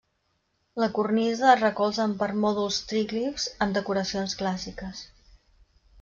La cornisa es recolza en permòdols tríglifs amb decoracions clàssiques.